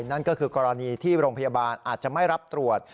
นั่นก็คือกรณีที่โรงพยาบาลอาจจะไม่รับตรวจ